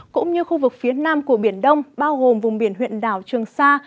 cũng như khu vực phía nam của biển đông bao gồm vùng biển huyện đảo trường sa